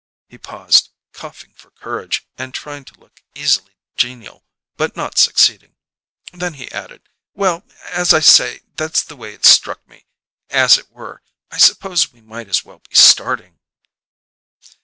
He paused, coughing for courage and trying to look easily genial, but not succeeding; then he added, "Well, as I say, that's the way it struck me as it were. I suppose we might as well be starting."